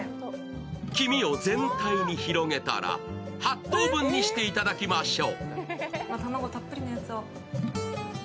黄身を全体に広げたら、８等分にしていただきましょう。